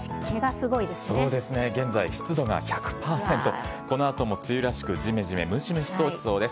現在、湿度が１００％、このあとも梅雨らしく、じめじめ、ムシムシとしそうです。